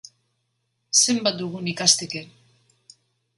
Zenbat dugun ikasteke!